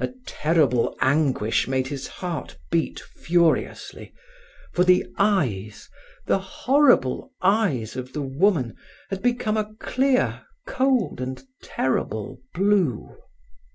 A terrible anguish made his heart beat furiously, for the eyes, the horrible eyes of the woman, had become a clear, cold and terrible blue.